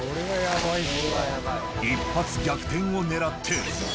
一発逆転を狙って。